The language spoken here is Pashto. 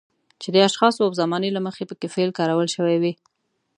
چې د اشخاصو او زمانې له مخې پکې فعل کارول شوی وي.